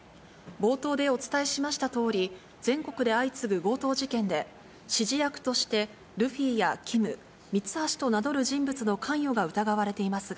冒頭でお伝えしましたとおり、全国で相次ぐ強盗事件で、指示役としてルフィやＫＩＭ、ミツハシと名乗る人物の関与が疑われていますが、